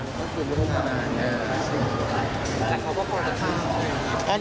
แล้วเขาก็ปลอดภัณฑ์